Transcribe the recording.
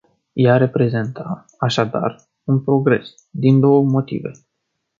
Ea reprezenta, așadar, un progres, din două motive.